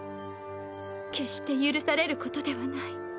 決して許されることではない。